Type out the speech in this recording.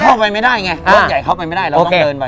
เข้าไปไม่ได้ไงรถใหญ่เข้าไปไม่ได้เราต้องเดินไป